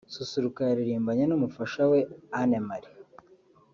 Susuruka yaririmbanye n’umufasha Anne Marie